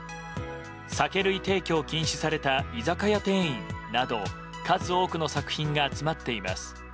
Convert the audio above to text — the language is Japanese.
酒類提供禁止された居酒屋店員など数多くの作品が集まっています。